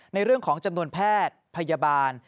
ในเรื่องของจำนวนแพทย์พยาบาล